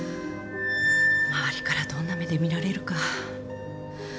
周りからどんな目で見られるか。